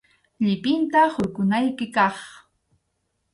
Llipinta hurqukunayki kaq.